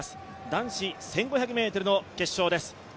男子１５００ｍの決勝です。